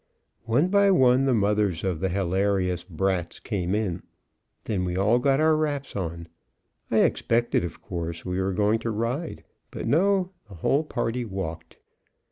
One by one the mothers of the hilarious "brats" came in; then we all got our wraps on. I expected, of course, we were going to ride, but no, the whole party walked.